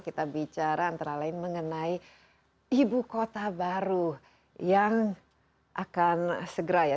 kita bicara antara lain mengenai ibu kota baru yang akan segera ya